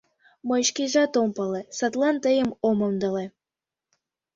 Мый шкежат ом пале, садлан тыйым ом ондале.